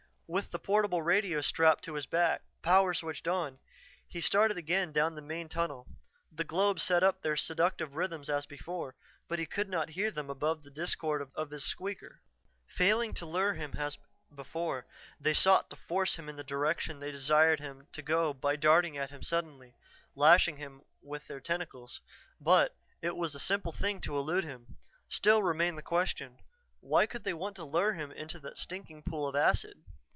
With the portable radio strapped to his back, power switched on, he started again down the main tunnel. The globes set up their seductive rhythms as before, but he could not hear them above the discord of his squeaker. Failing to lure him as before, they sought to force him in the direction they desired him to go by darting at him suddenly, lashing him with their tentacles. But it was a simple thing to elude them. Still remained the question: why could they want to lure him into that stinking pool of acid?